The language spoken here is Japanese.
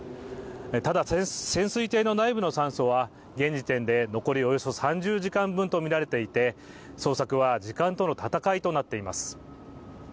ただ、潜水艇の内部の酸素は、現時点で残りおよそ３０時間分とみられていて捜索は時間との戦いとなっています。